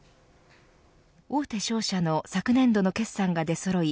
大手商社の昨年度の決算が出そろい